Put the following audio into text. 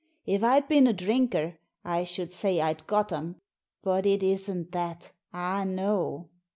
If I'd been a drinker I should say I'd got 'em. But it isn't that, I know."